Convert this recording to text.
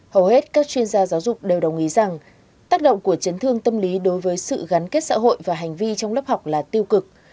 hầu hết các chuyên gia giáo dục đều đồng ý rằng tác động của chấn thương tâm lý đối với sự gắn kết xã hội và hành vi trong lớp học là tiêu cực